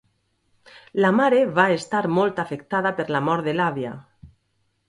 La mare va estar molt afectada per la mort de l'àvia.